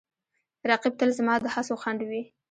رقیب تل زما د هڅو خنډ وي